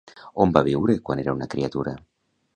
On va viure quan era una criatura?